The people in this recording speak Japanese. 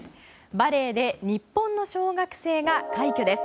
バレエで日本の小学生が快挙です。